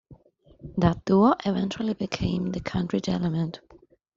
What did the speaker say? That duo eventually became the Country Gentlemen.